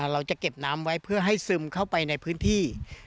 เราจะเก็บน้ำไว้เพื่อให้ซึมเข้าไปในพื้นที่